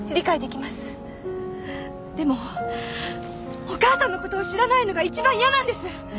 でもお母さんのことを知らないのが一番嫌なんです。